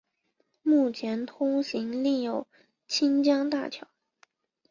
目前通行另有清江大桥。